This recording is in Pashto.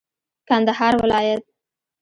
کندهار ولايت